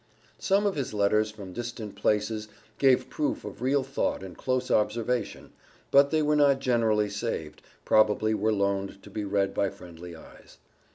Some of his letters, from different places, gave proof of real thought and close observation, but they were not generally saved, probably were loaned to be read by friendly eyes.